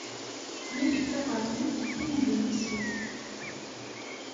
Nekk d taɣermant tindunisit.